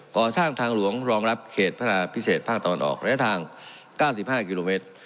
ก่อสร้างทางหลวงรองรับเขตพระนาพิเศษภาคตะวันออกระยะทาง๙๕กิโลเมตร